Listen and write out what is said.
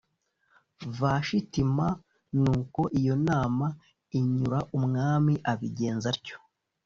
vashiti m nuko iyo nama inyura umwami abigenza atyo